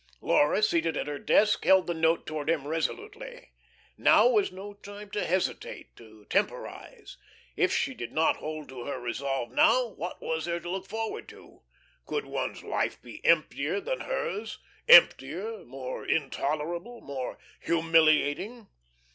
Laura, seated at her desk, held the note towards him resolutely. Now was no time to hesitate, to temporise. If she did not hold to her resolve now, what was there to look forward to? Could one's life be emptier than hers emptier, more intolerable, more humiliating?